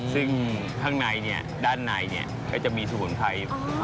ซึ่งข้างในนี้ด้านในนี้ก็จะมีสมุนไพรอยู่